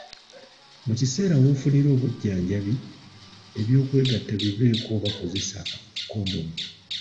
Mu kiseera w’ofunira obujjanjabi, eby'okwegatta biveeko oba kozesa kondomu.